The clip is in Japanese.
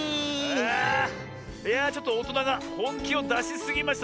あいやあちょっとおとながほんきをだしすぎましたね。